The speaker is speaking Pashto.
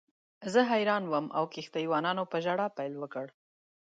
زه حیران وم او کښتۍ وانانو په ژړا پیل وکړ.